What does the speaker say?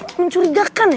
om itu mencurigakan ya